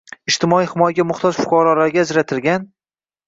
Ijtimoiy himoyaga muhtoj fuqarolarga ajratilgan